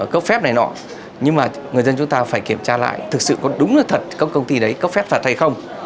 cấp phép này nọ nhưng mà người dân chúng ta phải kiểm tra lại thực sự có đúng là thật các công ty đấy có phép phạt hay không